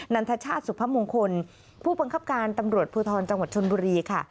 ันทชาติสุพมงคลผู้บังคับการตำรวจภูทรจังหวัดชนบุรีค่ะ